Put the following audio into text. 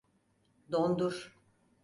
Dondur.